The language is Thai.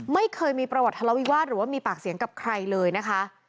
ไม่เคยมีประวัติทะเลาวิวาสหรือว่ามีปากเสียงกับใครเลยนะคะ